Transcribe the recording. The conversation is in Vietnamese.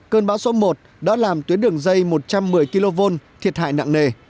cơn bão số một đã làm tuyến đường dây một trăm một mươi kv thiệt hại nặng nề